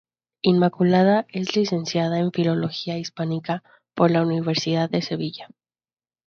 Inmaculada es licenciada en Filología Hispánica por la Universidad de Sevilla.